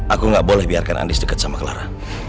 aku gak boleh biarkan andis deket sama clara